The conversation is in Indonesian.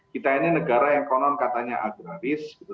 kita ini negara yang konon katanya agraris gitu